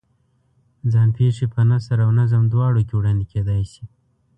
ځان پېښې په نثر او نظم دواړو کې وړاندې کېدای شي.